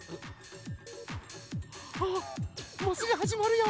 あもうすぐはじまるよ！